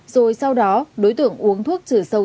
rồi sau đó đối tượng uống thuốc trừ sâu